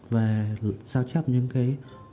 và sao chép những cái